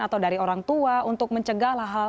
atau dari orangtua untuk mencegah